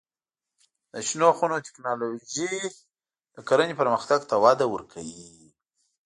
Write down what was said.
د شنو خونو تکنالوژي د کرنې پرمختګ ته وده ورکوي.